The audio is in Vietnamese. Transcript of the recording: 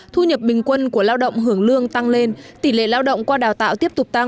thu nhập bình quân của lao động hưởng lương tăng lên tỷ lệ lao động qua đào tạo tiếp tục tăng